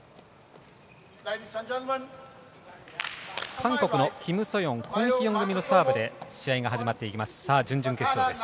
韓国のキム・ソヨンコン・ヒヨン組のサーブで試合が始まっていきます。